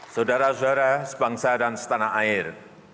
saudara saudara sebangsa dan setanah air